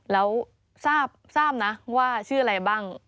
แล้วทราบนะว่าชื่ออะไรบ้าง